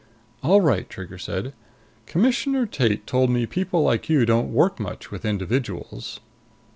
"All right," Trigger said. "Commissioner Tate told me people like you don't work much with individuals."